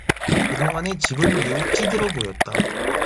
그 동안에 집은 매우 찌들어 보였다.